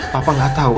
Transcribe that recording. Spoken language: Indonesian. papa gak tau